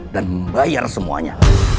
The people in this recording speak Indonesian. dan membayar semuanya